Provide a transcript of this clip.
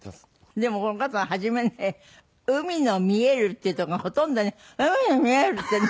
でもこの方初めね「海の見える」っていうとこがほとんどね「海の見える」ってね。